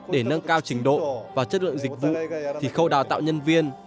để nâng cao trình độ và chất lượng dịch vụ thì khâu đào tạo nhân viên